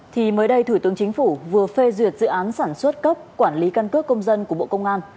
thì mới đây thủ tướng chính phủ vừa phê duyệt dự án sản xuất cấp quản lý căn cước công dân của bộ công an